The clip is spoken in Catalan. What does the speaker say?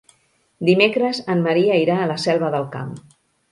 Dimecres en Maria irà a la Selva del Camp.